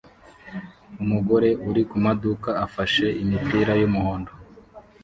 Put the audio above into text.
Umugore uri kumaduka afashe imipira yumuhondo